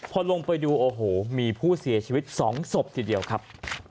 พอลงไปดูโอ้โหมีผู้เสียชีวิต๒ศพทีเดียวครับ